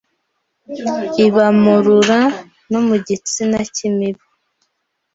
Iba mu rura no mu gitsina cy'imibu.